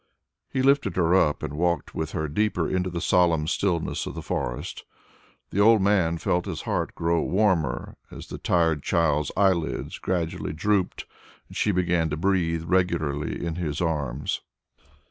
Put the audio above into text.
He lifted her up and walked with her deeper into the solemn stillness of the forest. The old man felt his heart grow warmer as the tired child's eyelids gradually drooped, and she began to breathe regularly in his arms.